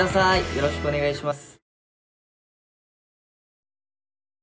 よろしくお願いします。